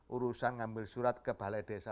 urusan ngambil surat ke balai desa